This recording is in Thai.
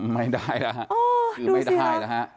ไม่ได้หรอกค่ะไม่ได้หรอกค่ะ